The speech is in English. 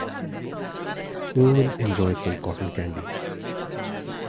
A woman enjoys some cotton candy.